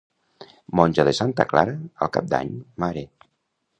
Monja de santa Clara, al cap de l'any, mare.